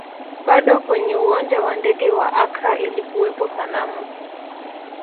Bado kwenye uwanja wa ndege wa Accra ilikuwepo sanamu